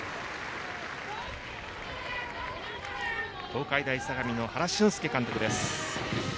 東海大相模の原俊介監督。